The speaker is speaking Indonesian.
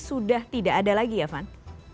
sudah tidak ada lagi ya van